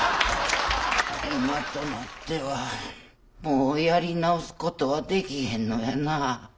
今となってはもうやり直すことはできへんのやなあ。